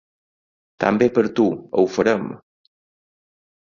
També per tu, ho farem!